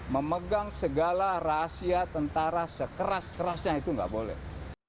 memegang segala rahasia tentara sekeras kerasnya itu nggak boleh